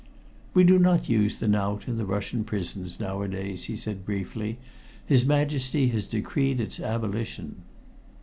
"We do not use the knout in the Russian prisons nowadays," he said briefly. "His Majesty has decreed its abolition."